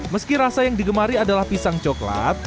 meski rasa yang digemari adalah pisang coklat